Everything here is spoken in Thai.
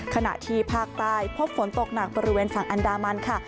ขณะที่ภาคใต้พบฝนตกหนักบริเวณฝั่งอันดามันค่ะ